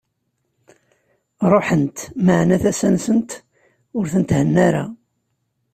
Ruḥent, meɛna, tasa-nsent ur tent-henna ara.